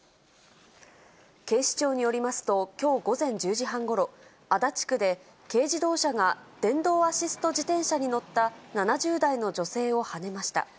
警視庁によりますと、きょう午前１０時半ごろ、足立区で軽自動車が電動アシスト自転車に乗った７０歳の女性をはねました。